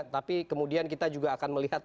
jadi kemudian kita juga akan melihat